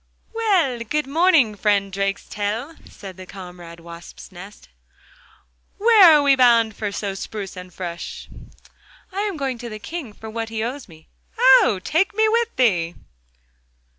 'Well, good morning, friend Drakestail,' said comrade Wasp's nest, 'where are we bound for so spruce and fresh?' 'I am going to the King for what he owes me.' 'Oh! take me with thee!